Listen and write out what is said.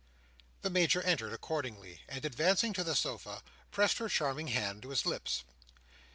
The Major entered accordingly, and advancing to the sofa pressed her charming hand to his lips.